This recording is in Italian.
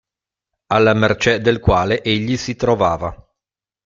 Alla mercé del quale egli si trovava.